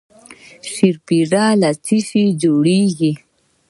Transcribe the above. شیرپیره له څه شي جوړیږي؟